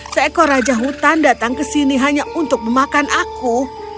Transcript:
seekor raja hutan datang ke sini hanya untuk memakan aku